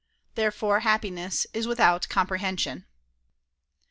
Therefore happiness is without comprehension.